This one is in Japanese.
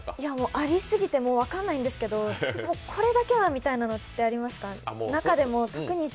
ありすぎて分かんないんですけどこれだけはみたいなのってありますか？